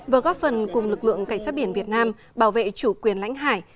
vừa góp phần cùng lực lượng cảnh sát biển việt nam bảo vệ chủ quyền lãnh hải